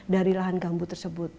dari lahan gambut tersebut